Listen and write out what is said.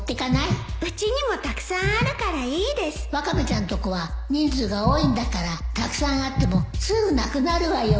ワカメちゃんとこは人数が多いんだからたくさんあってもすぐなくなるわよ